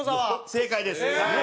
正解です。